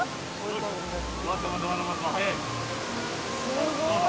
すごい。